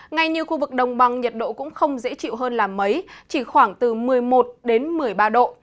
ngay như khu vực đồng bằng nhiệt độ cũng không dễ chịu hơn là mấy chỉ khoảng từ một mươi một đến một mươi ba độ